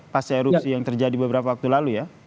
pas erupsi yang terjadi beberapa waktu lalu ya